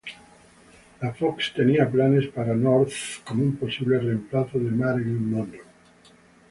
La Fox tenía planes para North como un posible reemplazo de Marilyn Monroe.